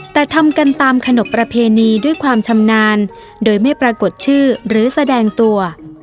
แต่ทำกันตามขนบประเพณีด้วยความชำนาญโดยไม่ปรากฏชื่อหรือแสดงตัว